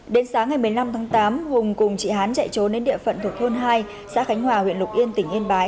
đến sáng ngày một mươi năm tháng tám hùng cùng chị hán chạy trốn đến địa phận thuộc thôn hai xã khánh hòa huyện lục yên tỉnh yên bái